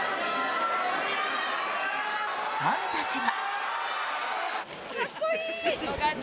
ファンたちは。